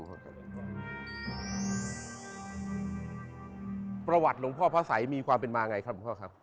ประวัติหลวงพ่อพระสัยมีความเป็นมาไงครับหลวงพ่อครับ